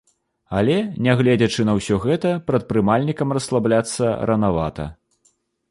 Але, нягледзячы на ўсё гэта, прадпрымальнікам расслабляцца ранавата.